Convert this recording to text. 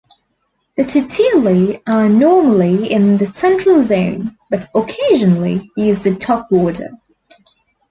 The "tituli" are normally in the central zone but occasionally use the top border.